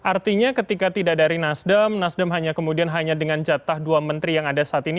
artinya ketika tidak dari nasdem nasdem hanya kemudian hanya dengan jatah dua menteri yang ada saat ini